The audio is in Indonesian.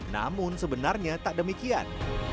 namun sebenarnya tak demikian